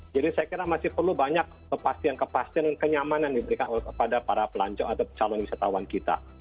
jadi saya kira masih perlu banyak kepastian kepastian dan kenyamanan yang diberikan kepada para pelancong atau calon wisatawan kita